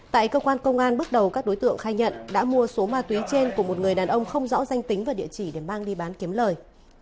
tại cơ quan công an bước đầu các đối tượng khai nhận đã mua số ma túy trên của một người đàn ông không rõ danh tính và địa chỉ để mang đi bán kiếm lời